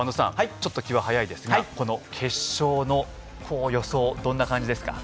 ちょっと気は早いですがこの決勝の予想どんな感じですか？